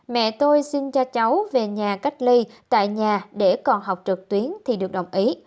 mẹ tôi xin cho cháu về nhà cách ly tại nhà để còn học trực tuyến thì được đồng ý